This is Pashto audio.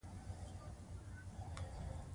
پاک چاپیریال د ناروغیو مخه نیسي.